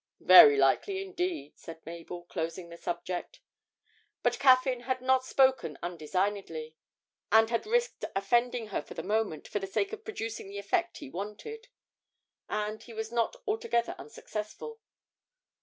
'Very likely indeed,' said Mabel, closing the subject. But Caffyn had not spoken undesignedly, and had risked offending her for the moment for the sake of producing the effect he wanted; and he was not altogether unsuccessful.